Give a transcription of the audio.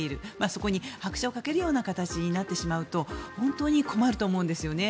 そこに拍車をかけるような形になってしまうと本当に困ると思うんですよね。